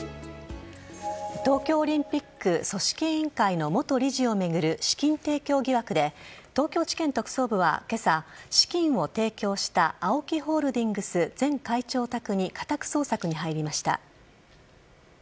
東京オリンピック組織委員会の元理事を巡る資金提供疑惑で東京地検特捜部は今朝資金を提供したＡＯＫＩホールディングス前会長宅に家宅捜索に入りました。